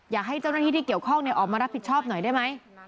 อยากให้เจ้าหน้าที่ที่เกี่ยวข้องออกมารับผิดชอบหน่อยได้ไหม